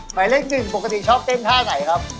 หมายเลขหนึ่งปกติชอบเต้นท่าไหนครับ